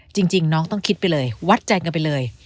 จริงน้องต้องคิดไปเลยวัดแจงกันไปเลย